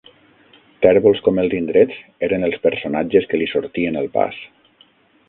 Tèrbols com els indrets, eren els personatges que li sortien al pas.